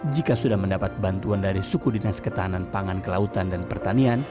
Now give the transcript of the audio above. jika sudah mendapat bantuan dari suku dinas ketahanan pangan kelautan dan pertanian